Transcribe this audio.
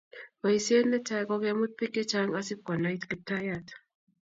Bosihet netai ko kemut bik che chang asipikonai Kiptayat